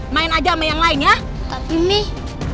main aja sama yang lain ya tapi nih